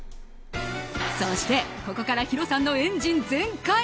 そして、ここからヒロさんのエンジン全開。